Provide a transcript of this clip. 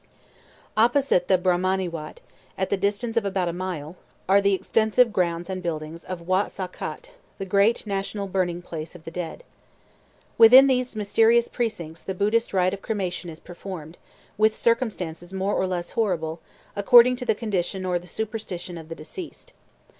Opposite the Brahmanee Watt, at the distance of about a mile, are the extensive grounds and buildings of Watt Sah Kâte, the great national burning place of the dead. Within these mysterious precincts the Buddhist rite of cremation is performed, with circumstances more or less horrible, according to the condition or the superstition of the deceased.